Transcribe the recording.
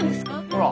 ほら。